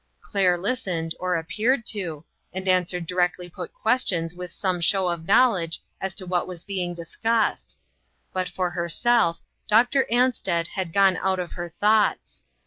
Claire listened, or appeared to, and answered directly put questions with some show of knowledge as to what was being discussed ; but for herself, Dr. Ansted had gone out of her thoughts.